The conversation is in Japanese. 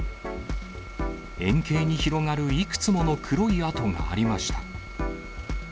円形に広がるいくつもの黒い跡がありました。